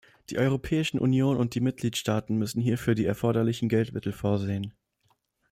Die Europäischen Union und die Mitgliedstaaten müssen hierfür die erforderlichen Geldmittel vorsehen.